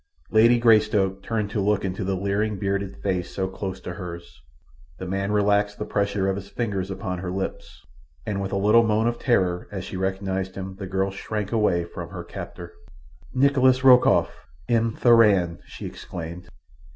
Lady Greystoke turned to look into the leering, bearded face so close to hers. The man relaxed the pressure of his fingers upon her lips, and with a little moan of terror as she recognized him the girl shrank away from her captor. "Nikolas Rokoff! M. Thuran!" she exclaimed.